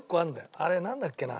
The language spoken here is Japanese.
あれなんだっけな？